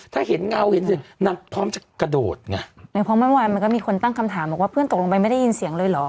ถ้าเห็นเงาเห็นเสียงนางพร้อมจะกระโดดไงในเพราะเมื่อวานมันก็มีคนตั้งคำถามบอกว่าเพื่อนตกลงไปไม่ได้ยินเสียงเลยเหรอ